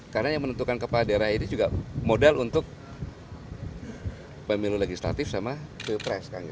karena yang menentukan kepala daerah ini juga modal untuk pemilu legislatif sama pilpres kan gitu